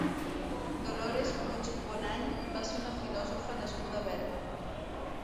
Dolores Puig Bonany va ser una filòsofa nascuda a Berga.